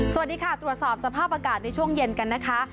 สวัสดีค่ะตรวจสอบสภาพอากาศในช่วงเย็นกันนะคะ